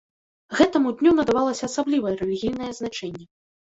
Гэтаму дню надавалася асаблівае рэлігійнае значэнне.